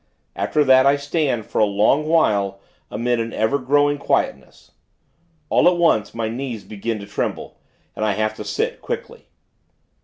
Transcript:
After that, I stand, for a long while, amid an ever growing quietness. All at once, my knees begin to tremble, and I have to sit, quickly.